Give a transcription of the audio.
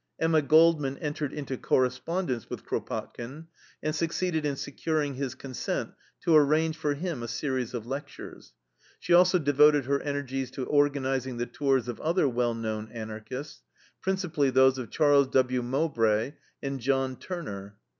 Emma Goldman entered into correspondence with Kropotkin and succeeded in securing his consent to arrange for him a series of lectures. She also devoted her energies to organizing the tours of other well known Anarchists, principally those of Charles W. Mowbray and John Turner.